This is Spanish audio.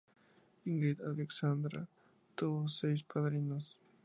Ingrid Alexandra tuvo seis padrinos.